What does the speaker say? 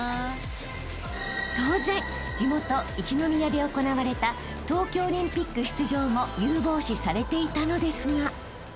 ［当然地元一宮で行われた東京オリンピック出場も有望視されていたのですが］